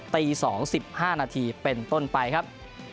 ตี๒๕นาทีเป็นต้นไปครับ